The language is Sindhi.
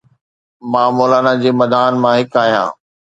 مان مولانا جي مداحن مان هڪ آهيان.